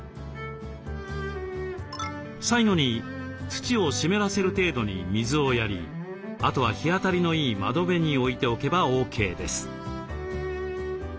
最後に土を湿らせる程度に水をやりあとは日当たりのいい窓辺に置いておけばＯＫです。